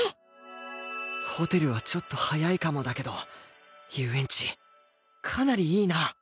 ホテルはちょっと早いかもだけど遊園地かなりいいな